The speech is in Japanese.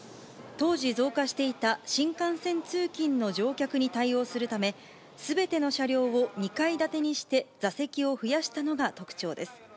当時増加していた新幹線通勤の乗客に対応するため、すべての車両を２階建てにして座席を増やしたのが特徴です。